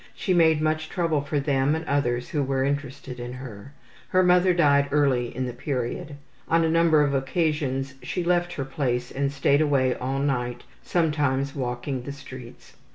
She made much trouble for them and others who were interested in her. Her mother died early in the period. On a number of occasions she left her place and stayed away all night, sometimes walking the streets.